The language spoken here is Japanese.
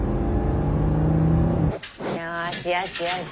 よしよしよし。